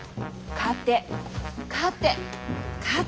勝て勝て勝て！